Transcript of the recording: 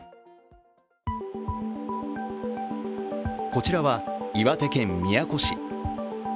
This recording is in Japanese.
こちらは岩手県宮古市。